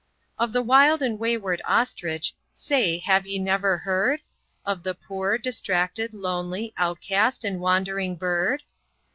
Of the wild and wayward Ostrich, say, have ye never heard? Of the poor, distracted, lonely, outcast, and wandering bird?